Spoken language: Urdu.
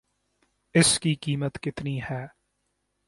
اس کی قیمت کتنی ہے